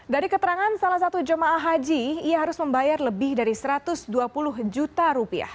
dari keterangan salah satu jemaah haji ia harus membayar lebih dari satu ratus dua puluh juta rupiah